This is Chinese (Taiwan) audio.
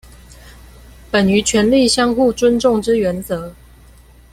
本於權力相互尊重之原則